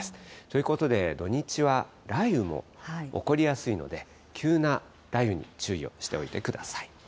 ということで、土日は雷雨も起こりやすいので、急な雷雨に注意をしておいてください。